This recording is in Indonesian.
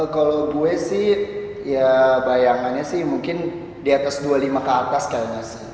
kalo gue sih ya bayangannya sih mungkin di atas dua puluh lima ke atas kayaknya sih betul